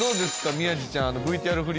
宮治ちゃん